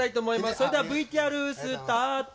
それではＶＴＲスタート！